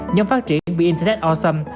nhóm phát triển của internet awesome